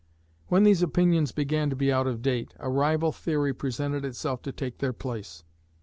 When these opinions began to be out of date, a rival theory presented itself to take their place.